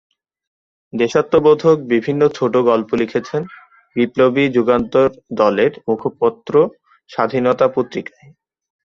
দেশাত্মবোধক বিভিন্ন ছোটগল্প লিখেছেন বিপ্লবী যুগান্তর দলের মুখপত্র '"স্বাধীনতা"' পত্রিকায়।